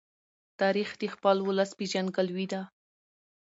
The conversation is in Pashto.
تاریخ د خپل ولس پېژندګلوۍ ده.